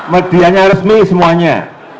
medianya resmi semuanya